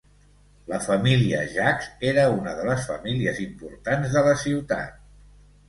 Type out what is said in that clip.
La família Jacques era una de les famílies importants de la ciutat.